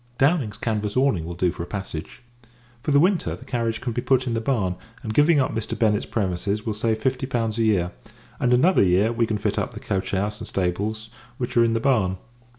Downing's canvas awning will do for a passage. For the winter, the carriage can be put in the barn; and, giving up Mr. Bennett's premises, will save fifty pounds a year: and, another year, we can fit up the coach house and stables, which are in the barn.